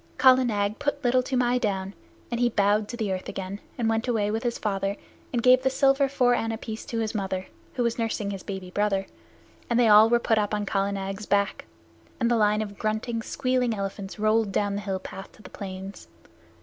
Kala Nag put Little Toomai down, and he bowed to the earth again and went away with his father, and gave the silver four anna piece to his mother, who was nursing his baby brother, and they all were put up on Kala Nag's back, and the line of grunting, squealing elephants rolled down the hill path to the plains.